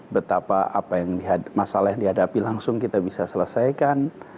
betapa masalah yang dihadapi langsung kita bisa selesaikan